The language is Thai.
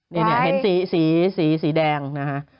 นี่เห็นสีแดงนะฮะ